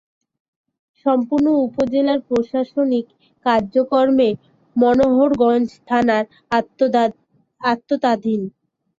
সম্পূর্ণ উপজেলার প্রশাসনিক কার্যক্রম মনোহরগঞ্জ থানার আওতাধীন।